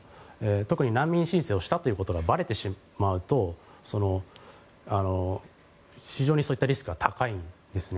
特に難民申請をしたということがばれてしまうと非常にそういったリスクが高いんですね。